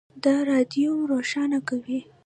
د رادیوم روښانه کوي.